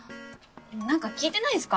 何か聞いてないんすか？